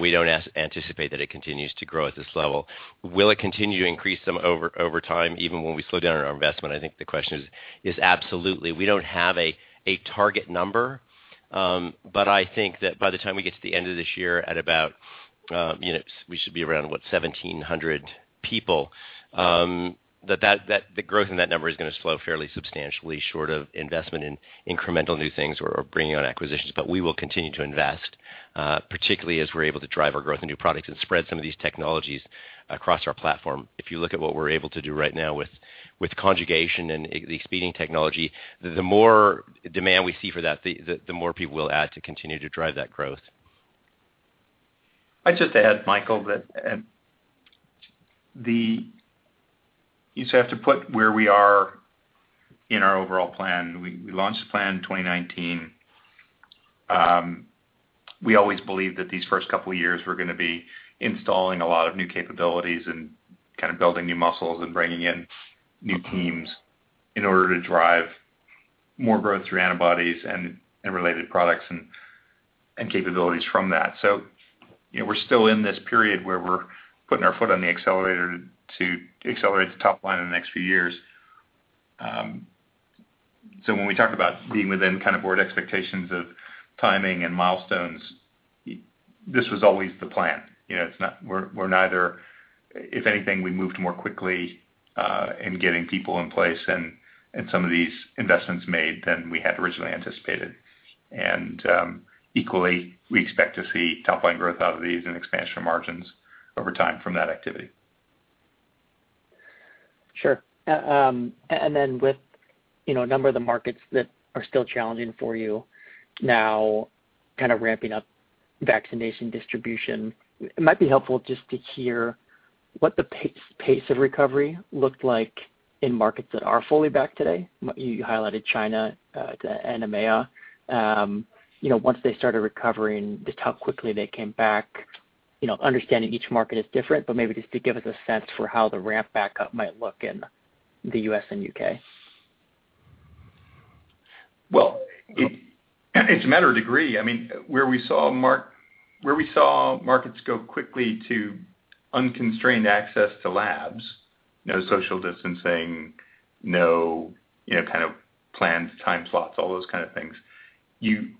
We don't anticipate that it continues to grow at this level. Will it continue to increase some over time even when we slow down on our investment? I think the question is absolutely. We don't have a target number. But I think that by the time we get to the end of this year at about, we should be around, what, 1,700 people, that the growth in that number is going to slow fairly substantially short of investment in incremental new things or bringing on acquisitions. We will continue to invest, particularly as we're able to drive our growth in new products and spread some of these technologies across our platform. If you look at what we're able to do right now with conjugation and the speeding technology, the more demand we see for that, the more people we'll add to continue to drive that growth. I'd just add, Michael, that you just have to put where we are in our overall plan. We launched the plan in 2019. We always believed that these first couple of years were going to be installing a lot of new capabilities and kind of building new muscles and bringing in new teams in order to drive more growth through antibodies and related products and capabilities from that. We're still in this period where we're putting our foot on the accelerator to accelerate the top line in the next few years. When we talk about being within kind of board expectations of timing and milestones, this was always the plan. If anything, we moved more quickly in getting people in place and some of these investments made than we had originally anticipated. Equally, we expect to see top line growth out of these and expansion of margins over time from that activity. Sure. Then with a number of the markets that are still challenging for you now kind of ramping up vaccination distribution, it might be helpful just to hear what the pace of recovery looked like in markets that are fully back today. You highlighted China and EMEA. Once they started recovering, just how quickly they came back, understanding each market is different, but maybe just to give us a sense for how the ramp back up might look in the U.S. and U.K. Well, it's a matter of degree. I mean, where we saw markets go quickly to unconstrained access to labs, no social distancing, no planned time slots, all those kind of things, you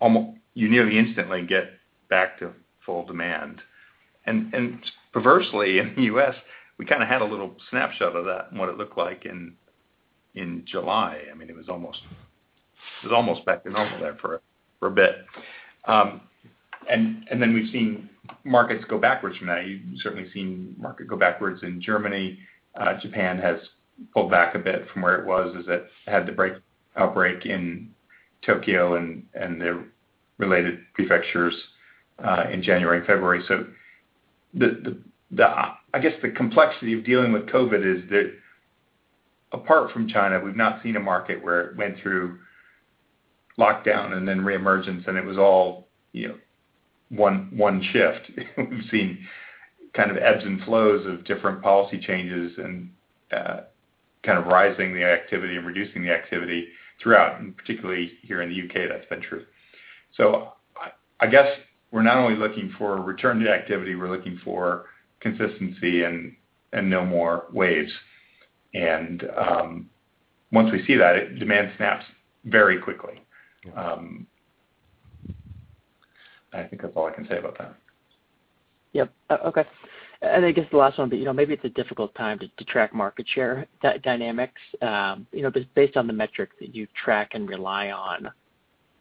nearly instantly get back to full demand. Perversely, in the U.S., we had a little snapshot of that and what it looked like in July. It was almost back to normal there for a bit. Then we've seen markets go backwards from that. You've certainly seen market go backwards in Germany. Japan has pulled back a bit from where it was, as it had the outbreak in Tokyo and the related prefectures, in January and February. I guess the complexity of dealing with COVID is that apart from China, we've not seen a market where it went through lockdown and then reemergence, and it was all one shift. We've seen ebbs and flows of different policy changes and rising the activity and reducing the activity throughout, and particularly here in the U.K., that's been true. I guess we're not only looking for a return to activity, we're looking for consistency and no more waves. Once we see that, demand snaps very quickly. I think that's all I can say about that. Yep. Okay. I guess the last one, but maybe it's a difficult time to track market share dynamics. Based on the metrics that you track and rely on,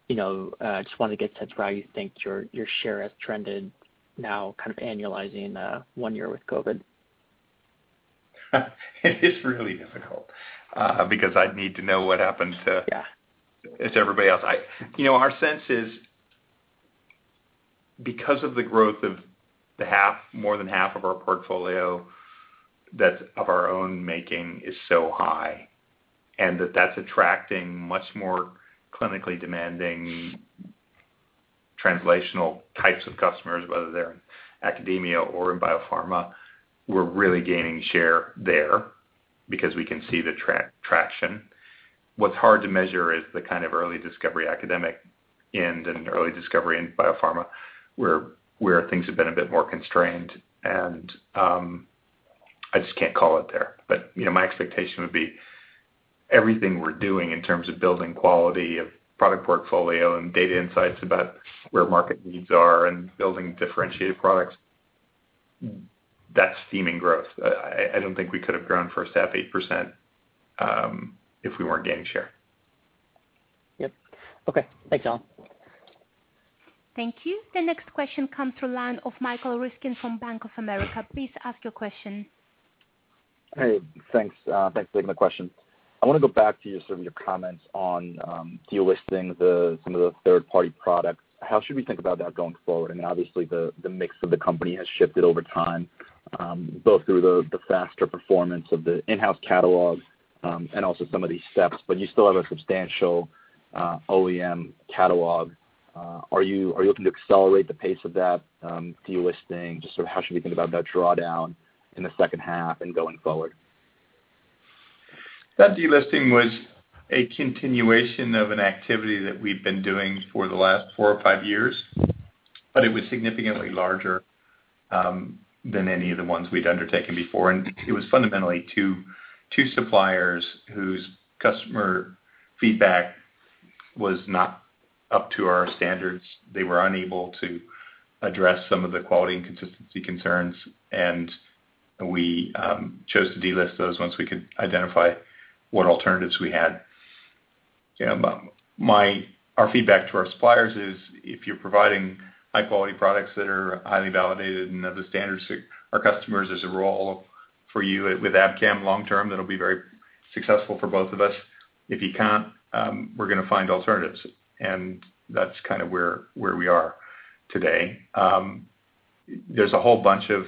you know, I just wanted to get a sense for how you think your share has trended now annualizing one year with COVID. It is really difficult, because I'd need to know what happened to. Yeah Everybody else. Our sense is because of the growth of more than half of our portfolio that's of our own making is so high, and that that's attracting much more clinically demanding translational types of customers, whether they're in academia or in biopharma. We're really gaining share there because we can see the traction. What's hard to measure is the early discovery academic end and early discovery in Biopharma, where things have been a bit more constrained, and I just can't call it there. My expectation would be everything we're doing in terms of building quality of product portfolio and data insights about where market needs are and building differentiated products, that's steaming growth. I don't think we could've grown first half 8% if we weren't gaining share. Yep. Okay. Thanks, Alan. Thank you. The next question comes through the line of Michael Ryskin from Bank of America. Please ask your question. Hey, thanks. Thanks for taking my question. I want to go back to your comments on delisting some of the third-party products. How should we think about that going forward? I mean, obviously the mix of the company has shifted over time, both through the faster performance of the in-house catalog, and also some of these steps, but you still have a substantial OEM catalog. Are you looking to accelerate the pace of that delisting? Just sort of how should we think about that drawdown in the second half and going forward? That delisting was a continuation of an activity that we've been doing for the last four years or five years, but it was significantly larger than any of the ones we'd undertaken before. It was fundamentally two suppliers whose customer feedback was not up to our standards. They were unable to address some of the quality and consistency concerns, and we chose to delist those once we could identify what alternatives we had. Our feedback to our suppliers is, if you're providing high-quality products that are highly validated and of the standards that our customers as a whole value with Abcam long-term, that'll be very successful for both of us. If you can't, we're going to find alternatives, and that's kind of where we are today. There's a whole bunch of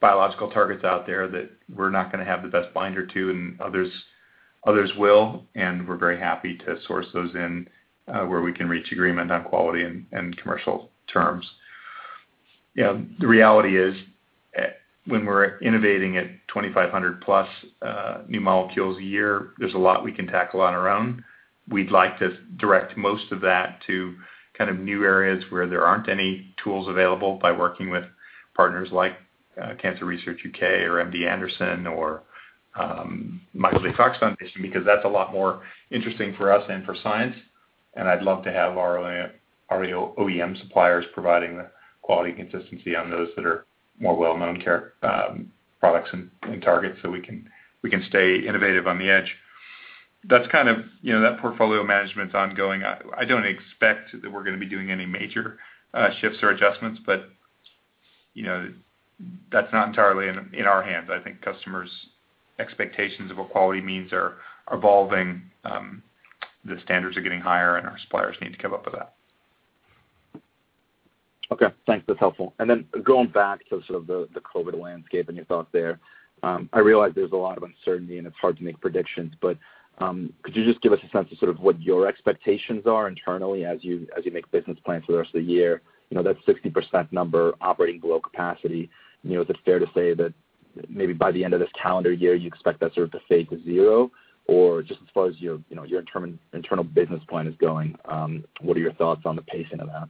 biological targets out there that we're not going to have the best binder to, and others will, and we're very happy to source those in where we can reach agreement on quality and commercial terms. The reality is, when we're innovating at 2,500+ new molecules a year, there's a lot we can tackle on our own. We'd like to direct most of that to new areas where there aren't any tools available by working with partners like Cancer Research U.K. or MD Anderson or Michael J. Fox Foundation, because that's a lot more interesting for us and for science. I'd love to have our OEM suppliers providing the quality and consistency on those that are more well-known core products and targets so we can stay innovative on the edge. That portfolio management's ongoing. I don't expect that we're going to be doing any major shifts or adjustments, but that's not entirely in our hands. I think customers' expectations of what quality means are evolving. The standards are getting higher, and our suppliers need to keep up with that. Okay, thanks. That's helpful. Going back to the COVID landscape and your thoughts there, I realize there's a lot of uncertainty, and it's hard to make predictions. But could you just give us a sense of what your expectations are internally as you make business plans for the rest of the year? That 60% number operating below capacity, is it fair to say that maybe by the end of this calendar year, you expect that sort of to fade to zero? Just as far as your internal business plan is going, what are your thoughts on the pacing of that?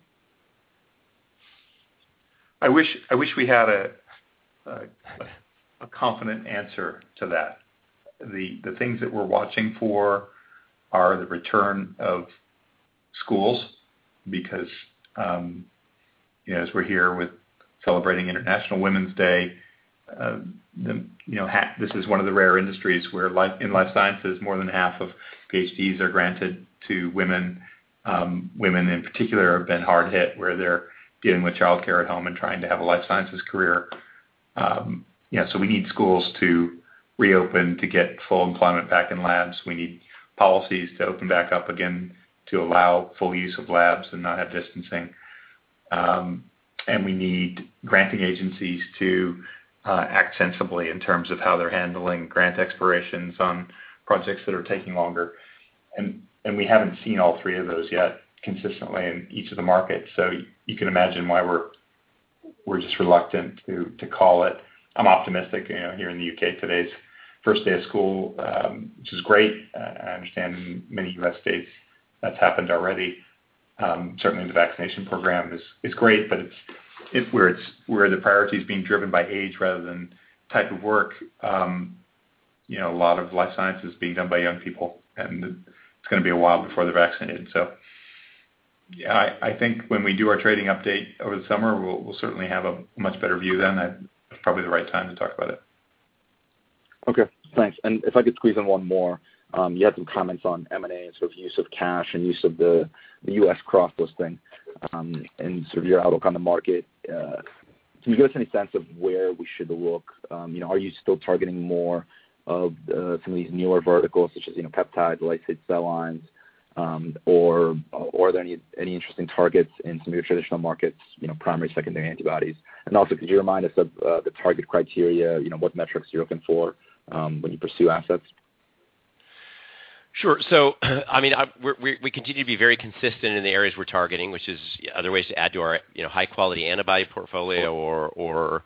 I wish we had a confident answer to that. The things that we're watching for are the return of schools because, as we're here with celebrating International Women's Day, this is one of the rare industries where in life sciences, more than half of PhDs are granted to women. Women, in particular, have been hard hit where they're dealing with childcare at home and trying to have a life sciences career. Yes, we need schools to reopen to get full employment back in labs. We need policies to open back up again to allow full use of labs and not have distancing. We need granting agencies to act sensibly in terms of how they're handling grant expirations on projects that are taking longer. We haven't seen all three of those yet consistently in each of the markets. You can imagine why we're just reluctant to call it. I'm optimistic. Here in the U.K., today's the first day of school, which is great. I understand many U.S. states that's happened already. Certainly, the vaccination program is great, but where the priority is being driven by age rather than type of work, a lot of life science is being done by young people, and it's going to be a while before they're vaccinated. I think when we do our trading update over the summer, we'll certainly have a much better view then. That's probably the right time to talk about it. Okay, thanks. If I could squeeze in one more. You had some comments on M&A and sort of use of cash and use of the U.S. cross listing and sort of your outlook on the market. Can you give us any sense of where we should look? Are you still targeting more of some of these newer verticals, such as peptides, engineered cell lines? Or are there any interesting targets in some of your traditional markets, primary, secondary antibodies? Also, could you remind us of the target criteria, what metrics you're looking for when you pursue assets? Sure. We continue to be very consistent in the areas we're targeting, which is other ways to add to our high-quality antibody portfolio or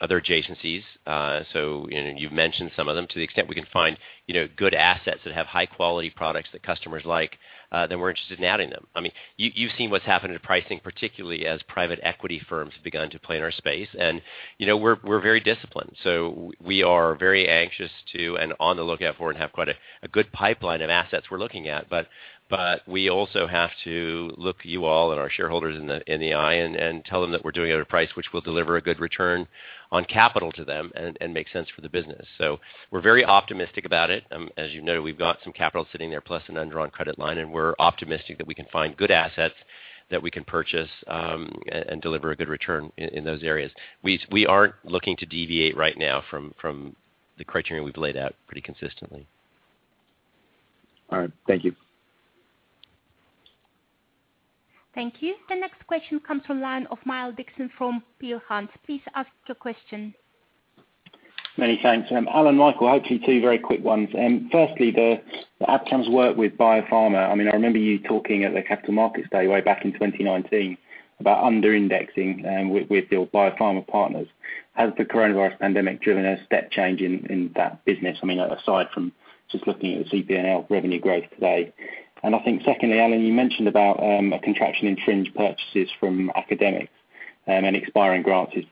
other adjacencies. You've mentioned some of them. To the extent we can find good assets that have high-quality products that customers like, we're interested in adding them. You've seen what's happened to pricing, particularly as private equity firms have begun to play in our space, we're very disciplined. We are very anxious to and on the lookout for and have quite a good pipeline of assets we're looking at. But we also have to look you all and our shareholders in the eye and tell them that we're doing it at a price which will deliver a good return on capital to them and make sense for the business. We're very optimistic about it. As you know, we've got some capital sitting there, plus an undrawn credit line, and we're optimistic that we can find good assets that we can purchase and deliver a good return in those areas. We aren't looking to deviate right now from the criteria we've laid out pretty consistently. All right. Thank you. Thank you. The next question comes from the line of Miles Dixon from Peel Hunt. Please ask your question. Many thanks. Alan, Michael, hopefully two very quick ones. The Abcam's work with Biopharma. I remember you talking at the Capital Markets Day way back in 2019 about under-indexing with your Biopharma partners. Has the coronavirus pandemic driven a step change in that business, aside from just looking at the CP&L revenue growth today? I think secondly, Alan, you mentioned about a contraction in fringe purchases from academics and expiring grants is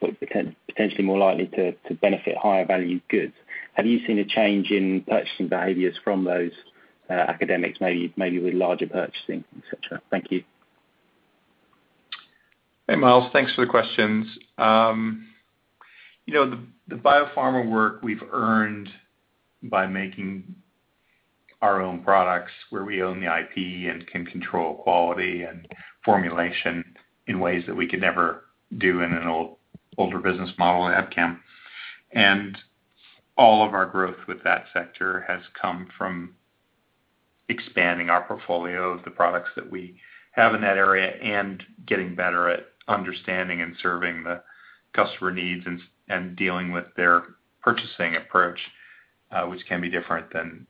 potentially more likely to benefit higher value goods. Have you seen a change in purchasing behaviors from those academics, maybe with larger purchasing, et cetera? Thank you. Hey, Miles. Thanks for the questions. The Biopharma work we've earned by making our own products where we own the IP and can control quality and formulation in ways that we could never do in an older business model at Abcam. All of our growth with that sector has come from expanding our portfolio of the products that we have in that area and getting better at understanding and serving the customer needs and dealing with their purchasing approach, which can be different than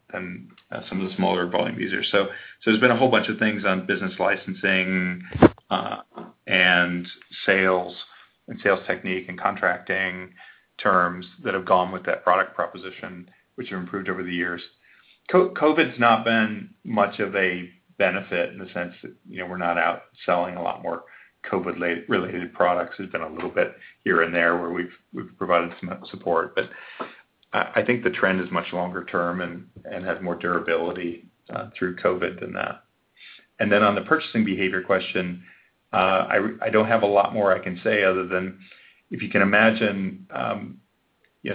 some of the smaller volume users. There's been a whole bunch of things on business licensing and sales and sales technique and contracting terms that have gone with that product proposition, which have improved over the years. COVID's not been much of a benefit in the sense that we're not out selling a lot more COVID-related products. There's been a little bit here and there where we've provided some support, but I think the trend is much longer-term and has more durability through COVID-19 than that. On the purchasing behavior question, I don't have a lot more I can say other than if you can imagine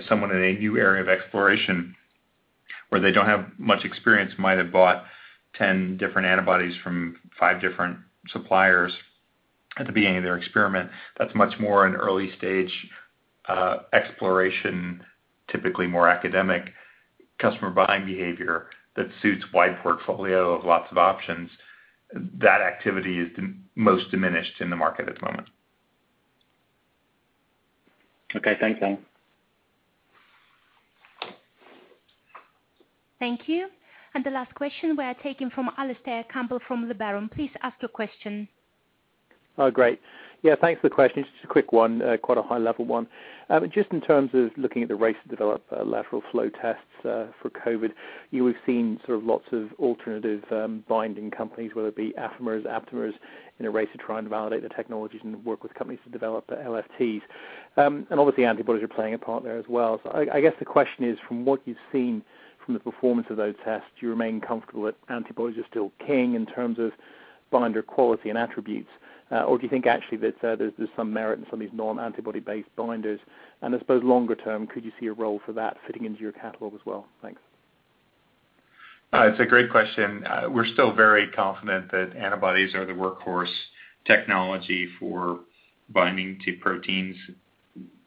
someone in a new area of exploration where they don't have much experience might have bought 10 different antibodies from five different suppliers at the beginning of their experiment. That's much more an early-stage exploration, typically more academic customer buying behavior that suits wide portfolio of lots of options. That activity is most diminished in the market at the moment. Okay, thanks, Alan. Thank you. The last question we are taking from Alastair Campbell from Liberum. Please ask your question. Oh, great. Yeah, thanks for the question. It's just a quick one, quite a high-level one. Just in terms of looking at the race to develop lateral flow tests for COVID, you have seen sort of lots of alternative binding companies, whether it be Affimers, Aptamers, in a race to try and validate the technologies and work with companies to develop the LFTs. Obviously, antibodies are playing a part there as well. I guess the question is, from what you've seen from the performance of those tests, do you remain comfortable that antibodies are still king in terms of binder quality and attributes? Do you think actually there's some merit in some of these non-antibody-based binders? I suppose longer term, could you see a role for that fitting into your catalog as well? Thanks. It's a great question. We're still very confident that antibodies are the workhorse technology for binding to proteins,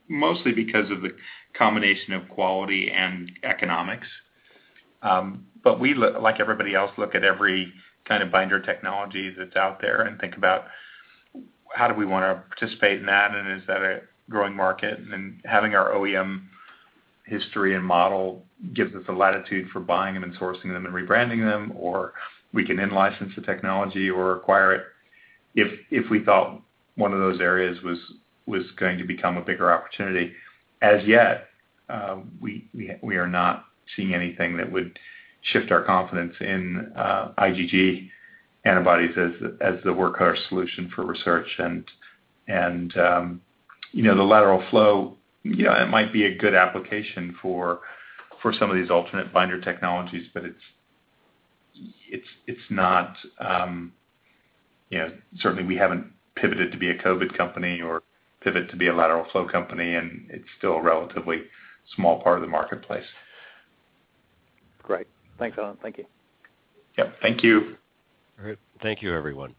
mostly because of the combination of quality and economics. We, like everybody else, look at every kind of binder technology that's out there and think about how do we want to participate in that, and is that a growing market? Having our OEM history and model gives us the latitude for buying them and sourcing them and rebranding them. We can in-license the technology or acquire it if we thought one of those areas was going to become a bigger opportunity. As yet, we are not seeing anything that would shift our confidence in IgG antibodies as the workhorse solution for research. The lateral flow, it might be a good application for some of these alternate binder technologies, but it's not, certainly we haven't pivoted to be a COVID company or pivot to be a lateral flow company, and it's still a relatively small part of the marketplace. Great. Thanks, Alan. Thank you. Yep, thank you. All right. Thank you, everyone.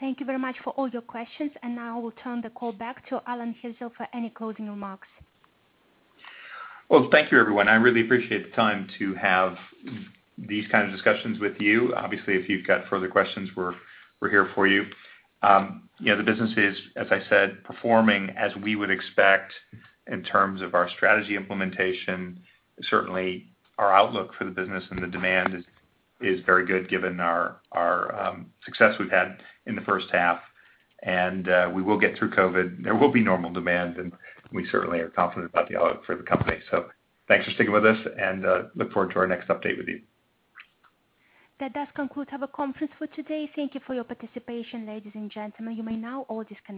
Thank you very much for all your questions, and now I will turn the call back to Alan Hirzel for any closing remarks. Thank you everyone. I really appreciate the time to have these kind of discussions with you. If you've got further questions, we're here for you. The business is, as I said, performing as we would expect in terms of our strategy implementation. Certainly, our outlook for the business and the demand is very good given our success we've had in the first half, and we will get through COVID. There will be normal demand, and we certainly are confident about the outlook for the company. Thanks for sticking with us, and look forward to our next update with you. That does conclude our conference for today. Thank you for your participation, ladies and gentlemen. You may now all disconnect.